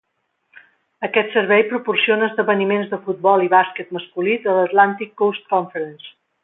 Aquest servei proporciona esdeveniments de futbol i bàsquet masculí de l'Atlantic Coast Conference.